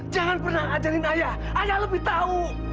jangan pernah ajalin ayah ayah lebih tahu